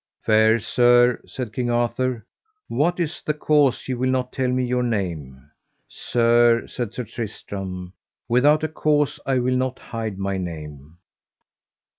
Fair sir, said King Arthur, what is the cause ye will not tell me your name? Sir, said Sir Tristram, without a cause I will not hide my name.